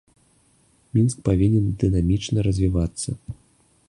Мінск павінен дынамічна развівацца.